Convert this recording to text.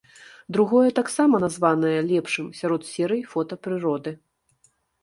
Другое таксама названае лепшым сярод серый фота прыроды.